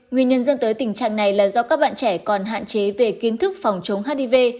nguyên nhân dẫn tới tình trạng này là do các bạn trẻ còn hạn chế về kiến thức phòng chống hiv